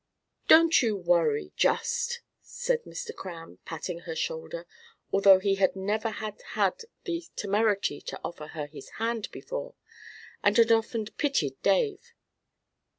"Don't you worry just!" said Mr. Cramb, patting her shoulder, although he never had had the temerity to offer her his hand before, and had often "pitied Dave."